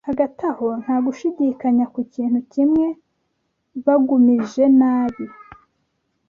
Hagati aho, nta gushidikanya ku kintu kimwe; bagumije nabi